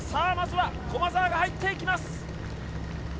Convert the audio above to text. まずは駒澤が入っていきます。